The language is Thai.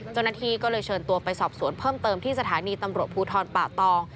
เจ้าหน้าที่ก็เลยเชิญตัวไปสอบสวนเพิ่มเติมที่สถานีตำรวจภูทรป่าตอง